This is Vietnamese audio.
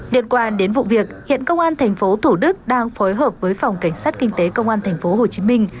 điện quản đến vụ việc hiện công an tp thủ đức đang phối hợp với phòng cảnh sát kinh tế công an tp hồ chí minh